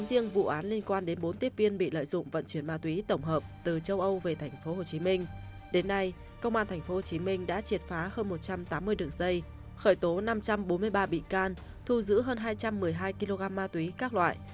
xin chào và hẹn gặp lại